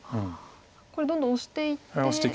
これどんどんオシていって。